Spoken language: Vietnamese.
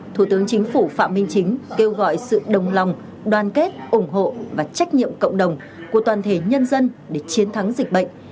thủ tướng chính phủ phạm minh chính kêu gọi sự đồng lòng đoàn kết ủng hộ và trách nhiệm cộng đồng của toàn thể nhân dân để chiến thắng dịch bệnh